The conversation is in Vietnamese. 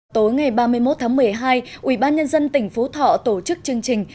tối ngày ba mươi một tháng một mươi hai ủy ban nhân dân tỉnh phú thọ tổ chức chương trình